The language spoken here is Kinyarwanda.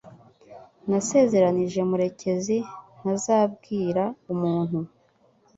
Nasezeranije Murekezi ntazabwira umuntu.